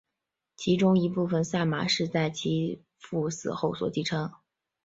其中一部分赛马是其在其父死后所继承。